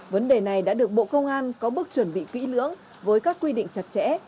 vấn đề này đã được bộ công an có bước chuẩn bị kỹ lưỡng với các quy định chặt chẽ